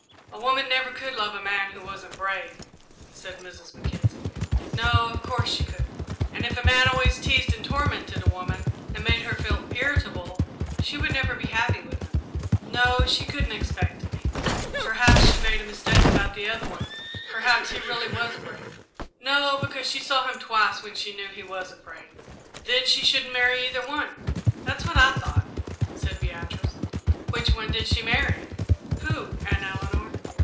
"A woman never could love a man who wasn't brave," said Mrs. Mackenzie. "No, of course she couldn't." "And if a man always teased and tormented a woman, and made her feel irritable, she would never be happy with him." "No; she couldn't expect to be." "Perhaps she had made a mistake about the other one perhaps he really was brave." "No; because she saw him twice when she knew he was afraid." "Then she shouldn't marry either one." "That's what I thought," said Beatrice. "Which one did she marry?" "Who, Aunt Eleanor?"